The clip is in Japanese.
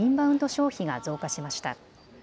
消費が増加しました。